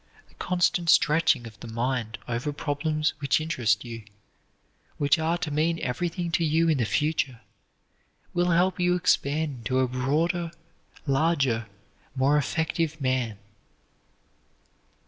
The constant stretching of the mind over problems which interest you, which are to mean everything to you in the future, will help you expand into a broader, larger, more effective man.